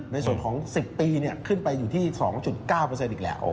ในส่วนของ๑๐ปีขึ้นไปอยู่ที่๒๙อีกแล้ว